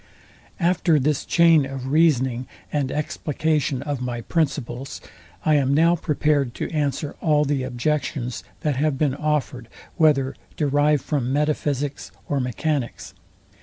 After this chain of reasoning and explication of my principles, I am now prepared to answer all the objections that have been offered, whether derived from metaphysics or mechanics.